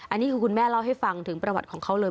อันนี้คือคุณแม่เล่าให้ฟังถึงประวัติของเขาเลย